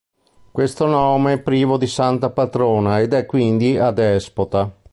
Questo nome è privo di santa patrona, ed è quindi adespota.